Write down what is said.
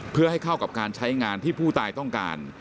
เพื่อให้เข้ากับการใช้งานที่ผู้ตายต้องการ